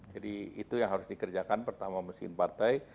jadi itu yang harus dikerjakan pertama mesin partai